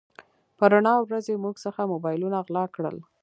په رڼا ورځ يې زموږ څخه موبایلونه غلا کړل.